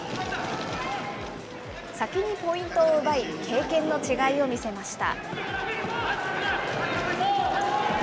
先にポイントを奪い、経験の違いを見せました。